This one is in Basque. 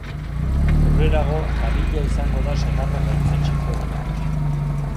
Aurrerago Kadidja izango da senarra gaitzetsiko duena.